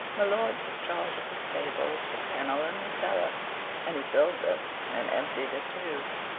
My lord took charge of the stables, the kennel, and the cellar and he filled this and emptied it too.